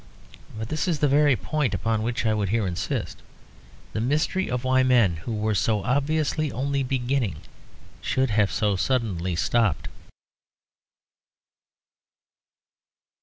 But this is the very point upon which I would here insist; the mystery of why men who were so obviously only beginning should have so suddenly stopped.